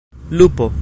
lupo